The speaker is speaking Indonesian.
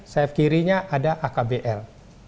saif kirinya ada akbl